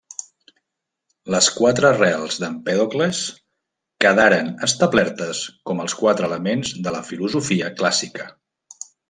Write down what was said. Les quatre arrels d'Empèdocles quedaren establertes com els quatre elements de la filosofia clàssica.